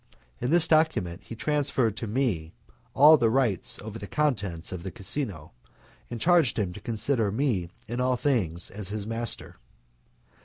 In this document he transferred to me all rights over the contents of the casino, and charged him to consider me in all things as his master.